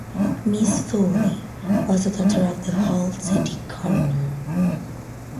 Miss Thorney was the daughter of the Hull city coroner.